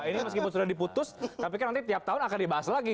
ini meskipun sudah diputus tapi kan nanti tiap tahun akan dibahas lagi